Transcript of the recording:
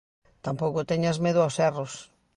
Tampouco teñas medo aos erros.